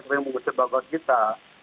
mengusir bago kita